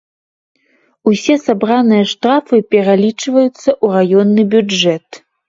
Усе сабраныя штрафы пералічваюцца ў раённы бюджэт.